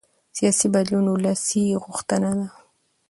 سیاسي بدلون ولسي غوښتنه ده